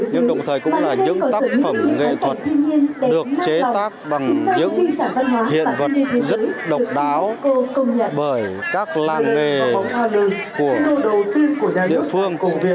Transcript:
nhưng đồng thời cũng là những tác phẩm nghệ thuật được chế tác bằng những hiện vật rất độc đáo bởi các làng nghề hoa lư của địa phương